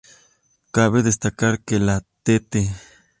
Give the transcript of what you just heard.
Cabe destacar que la Tte.